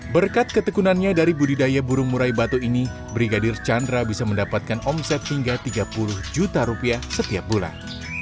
berkat ketekunannya dari budidaya burung murai batu ini brigadir chandra bisa mendapatkan omset hingga tiga puluh juta rupiah setiap bulan